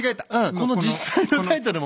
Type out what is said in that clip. この実際のタイトルも。